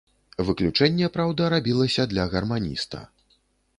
Выключэнне, праўда, рабілася для гарманіста.